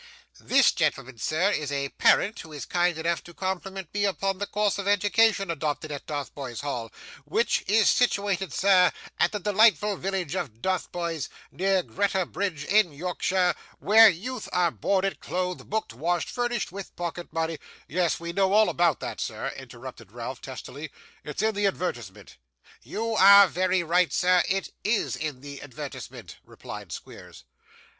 'This gentleman, sir, is a parent who is kind enough to compliment me upon the course of education adopted at Dotheboys Hall, which is situated, sir, at the delightful village of Dotheboys, near Greta Bridge in Yorkshire, where youth are boarded, clothed, booked, washed, furnished with pocket money ' 'Yes, we know all about that, sir,' interrupted Ralph, testily. 'It's in the advertisement.' 'You are very right, sir; it IS in the advertisement,' replied Squeers.